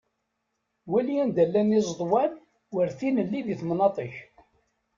Wali anda llan izeḍwan war tinelli di temnaṭ-ik.